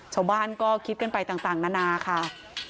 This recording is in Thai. ชาวบ้านก็คิดกันไปต่างนานาค่ะ